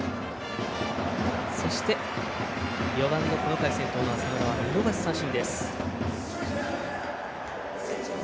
そして、４番のこの回先頭の浅村は見逃し三振。